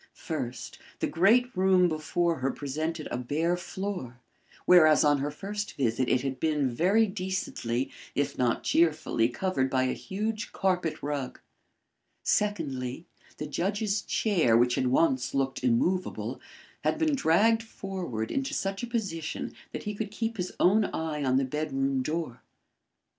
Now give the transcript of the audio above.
First, the great room before her presented a bare floor, whereas on her first visit it had been very decently, if not cheerfully, covered by a huge carpet rug. Secondly, the judge's chair, which had once looked immovable, had been dragged forward into such a position that he could keep his own eye on the bedroom door.